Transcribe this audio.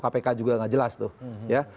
kpk juga nggak jelas tuh ya